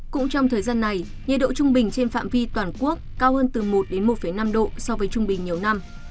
cũng trong thời gian này nhiệt độ trung bình trên phạm vi toàn quốc cao hơn từ một đến một năm độ so với trung bình nhiều năm